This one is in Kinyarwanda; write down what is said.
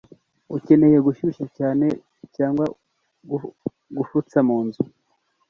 ukeneye gushyushya cyane cyangwa gufutsa mu nzu